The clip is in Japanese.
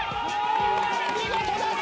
見事です！